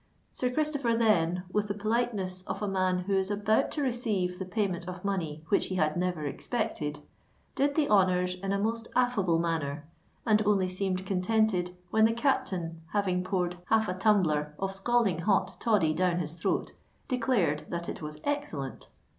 Sir Christopher then, with the politeness of a man who is about to receive the payment of money which he had never expected, did the honours in a most affable manner, and only seemed contented when the captain, having poured half a tumbler of scalding hot toddy down his throat, declared that it was excellent!